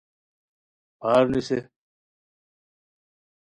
پھار نیسے